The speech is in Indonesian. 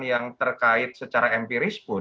yang terkait secara empiris pun